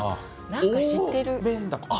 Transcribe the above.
なんか知ってる！